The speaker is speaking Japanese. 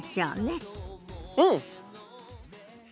うん！